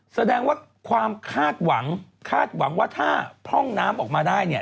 แสดงว่าความคาดหวังคาดหวังว่าถ้าพร่องน้ำออกมาได้เนี่ย